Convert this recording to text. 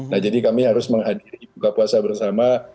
nah jadi kami harus menghadiri buka puasa bersama